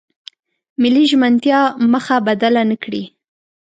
ملي ژمنتیا مخه بدله نکړي.